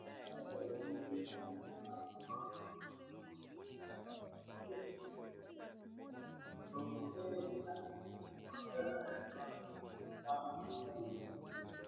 lahaja ya Kimakunduchi na kubainisha sheria za kila muundo uliojitokeza katika vishazi hivyo